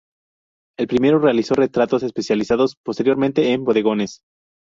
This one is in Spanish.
El primero realizó retratos, especializándose posteriormente en bodegones.